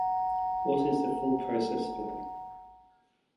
What is the full process flow?